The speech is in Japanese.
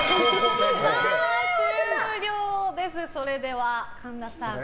終了です。